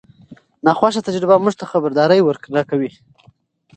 ناخوښه تجربه موږ ته خبرداری ورکوي.